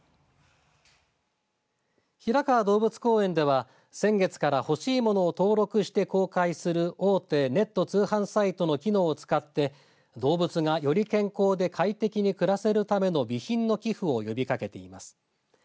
平川動物公園では先月から、ほしい物を登録して公開する大手ネット通販サイトの機能を使って動物が、より健康で快適に暮らせるための備品の寄付を呼びかけています。